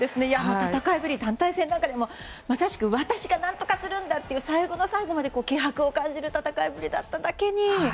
戦いぶり、団体戦でもまさしく私が何とかするんだという最後の最後まで気迫を感じる戦いぶりだっただけに。